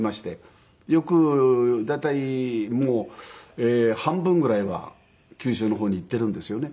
よく大体もう半分ぐらいは九州の方に行っているんですよね。